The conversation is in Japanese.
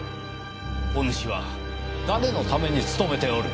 おぬしは誰のために勤めておる？